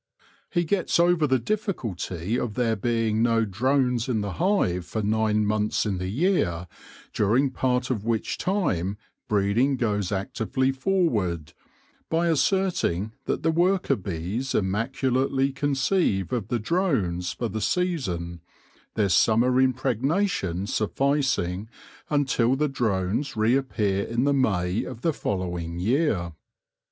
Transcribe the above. He gets over the difficulty of there being no drones in the hive for nine months in the year, during part of which time breeding goes actively forward, by asserting that the worker bees immaculately conceive of the drones for the season, their summer impregnation sufficing until the drones reappear in the May of the following year.